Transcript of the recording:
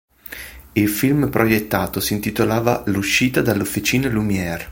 Il film proiettato si intitolava "L'uscita dalle officine Lumière".